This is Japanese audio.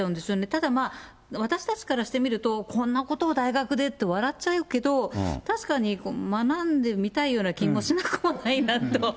ただまあ、私たちからしてみると、こんなことを大学でって、笑っちゃうけど、確かに学んでみたいような気もしなくもないなと。